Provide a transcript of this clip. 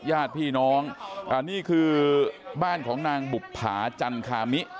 ญาติพี่น้องนี่คือบ้านของนางบุภาจันคามิ